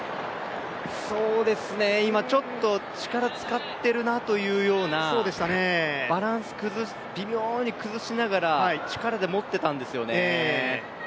今、ちょっと力使ってるなというような、バランス微妙に崩しながら、力でもってたんですよね。